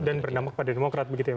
dan bernama kepada demokrat begitu ya